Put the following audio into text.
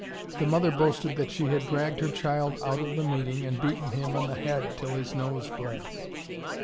The mother boasted that she had dragged her child out of the meeting and beaten him on the head till his nose bled.